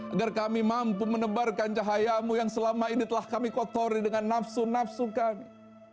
agar kami mampu menebarkan cahayamu yang selama ini telah kami kotori dengan nafsu nafsu kami